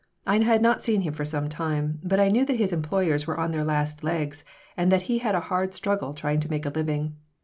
I had not seen him for some time, but I knew that his employers were on their last legs and that he had a hard struggle trying to make a living.